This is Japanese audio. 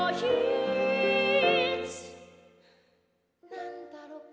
「なんだろうか？